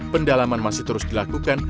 pendalaman masih terus dilakukan